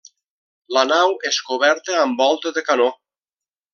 La nau és coberta amb volta de canó.